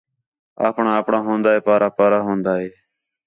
اپݨا اپݨا ہون٘دا ہے پارا پارا ہون٘دا ہے